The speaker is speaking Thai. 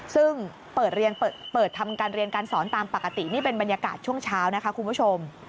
ซึ่งเปิดทำการเรียนการสอนตามปกตินี่เป็นบรรยากาศช่วงเช้านะคะคุณผู้ชม